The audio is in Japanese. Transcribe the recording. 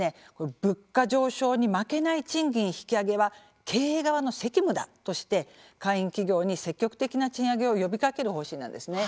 物価上昇に負けない賃金引き上げは経営側の責務だとして会員企業に積極的な賃上げを呼びかける方針なんですね。